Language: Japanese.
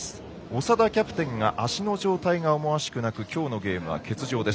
長田キャプテンが足の状態が思わしくなくきょうのゲームは欠場です。